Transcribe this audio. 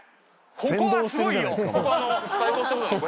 ここはすごいよ。